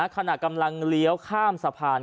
ขณะกำลังเลี้ยวข้ามสะพาน